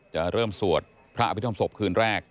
จะเริ่มสวดพระอภิษฐรรมศพคืนแรก